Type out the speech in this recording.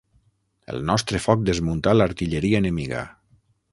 El nostre foc desmuntà l'artilleria enemiga.